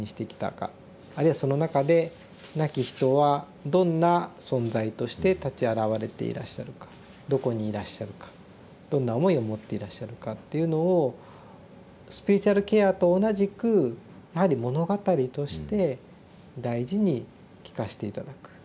あるいはその中で亡き人はどんな存在として立ち現れていらっしゃるかどこにいらっしゃるかどんな思いを持っていらっしゃるかっていうのをスピリチュアルケアと同じくやはり物語として大事に聞かして頂く。